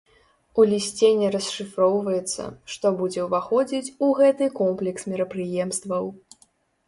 У лісце не расшыфроўваецца, што будзе ўваходзіць у гэты комплекс мерапрыемстваў.